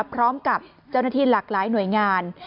พร้อมกับเจ้าหน้าที่หลากหลายหน่วยงาน